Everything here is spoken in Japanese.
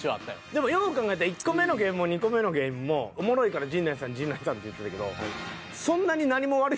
でもよう考えたら１個目のゲームも２個目のゲームもおもろいから陣内さん陣内さんって言ってたけど。